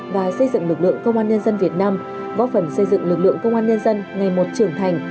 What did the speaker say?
và xây dựng lực lượng công an nhân dân việt nam góp phần xây dựng lực lượng công an nhân dân ngày một trưởng thành